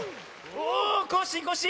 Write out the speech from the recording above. おコッシーコッシー